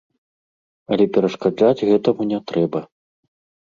Але перашкаджаць гэтаму не трэба.